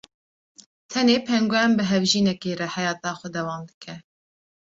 tenê pengûen bi hevjînekê re heyeta xwe dewam dike.